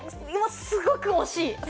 すごく惜しいです。